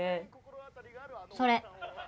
それ！